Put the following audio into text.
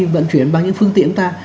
vận chuyển bằng những phương tiện của ta